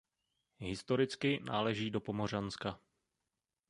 Historicky náleží do Pomořanska.